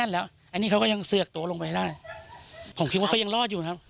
อันนี้เขาก็ยังเสือกตัวลงไปได้ผมคิดว่าเขายังรอดอยู่นะครับ